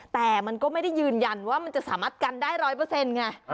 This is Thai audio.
แต่มันก็ไม่ได้ยืนยันว่ามันจะสามารถกันได้ร้อยเปอร์เซ็นต์ไง